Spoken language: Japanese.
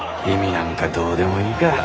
意味なんかどうでもいいか。